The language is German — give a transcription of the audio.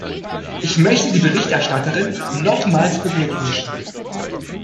Ich möchte die Berichterstatterin nochmals beglückwünschen.